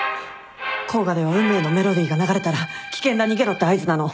甲賀では『運命』のメロディーが流れたら「危険だ逃げろ」って合図なの。